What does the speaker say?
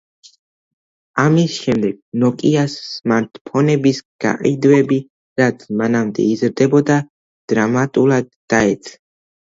ამის შემდეგ, ნოკიას სმარტფონების გაყიდვები, რაც მანამდე იზრდებოდა, დრამატულად დაეცა.